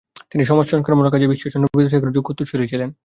তিনি সমাজসংস্কারকমূলক কাজে ঈশ্বরচন্দ্র বিদ্যাসাগরের যোগ্য উত্তরসূরি ছিলেন।